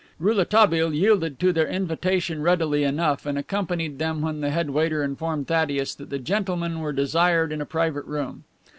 Rouletabille yielded to their invitation readily enough, and accompanied them when the head waiter informed Thaddeus that the gentlemen were desired in a private room.